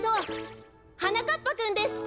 はなかっぱくんです！